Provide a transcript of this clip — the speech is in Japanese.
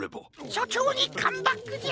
しょちょうにカムバックじゃ！